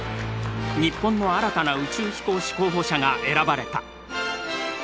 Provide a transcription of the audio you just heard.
日本の新たな宇宙飛行士候補者が選ばれた。